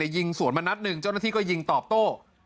ยิงสวนมานัดหนึ่งเจ้าหน้าที่ก็ยิงตอบโต้